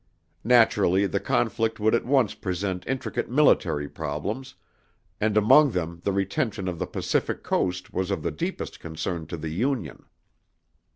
Naturally, the conflict would at once present intricate military problems, and among them the retention of the Pacific Coast was of the deepest concern to the Union.